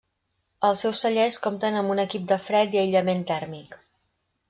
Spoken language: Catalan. Els seus cellers compten amb un equip de fred i aïllament tèrmic.